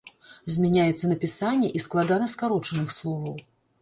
Змяняецца напісанне і складанаскарочаных словаў.